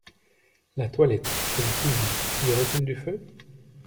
La toilette, c’est la fumée ! y aurait-il du feu ?